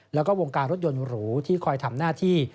แล้วก็วงการรถยนต์หรูที่คอยทำหน้าที่